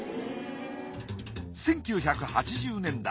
１９８０年代